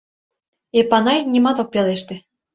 Эпанай нимат ок пелеште.